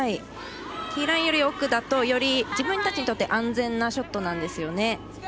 ティーラインより奥だと自分たちにとって安全なショットなんですよね。